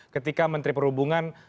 ketika menteri perhubungan